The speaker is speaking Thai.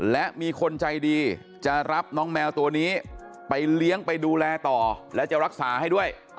และมีคนใจดีจะรับน้องแมวตัวนี้ไปเลี้ยงไปดูแลต่อและจะรักษาให้ด้วย